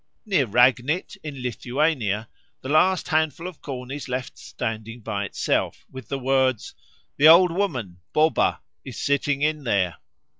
Near Ragnit, in Lithuania, the last handful of corn is left standing by itself, with the words, "The Old Woman (Boba) is sitting in there."